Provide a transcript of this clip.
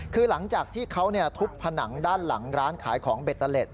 คือหลังจากที่เขาทุบผนังด้านหลังร้านขายของเบตเตอร์เล็ต